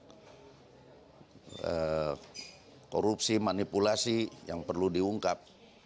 ada korupsi manipulasi yang perlu diungkap